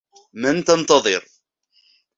من تنتظر ؟